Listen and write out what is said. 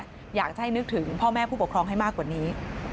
อยากจะให้นึกถึงพ่อแม่ผู้ปกครองให้มากกว่านี้